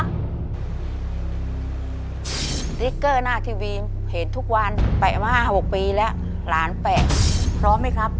ติ๊กเกอร์หน้าทีวีเห็นทุกวันแปะมา๕๖ปีแล้วหลานแปะพร้อมไหมครับ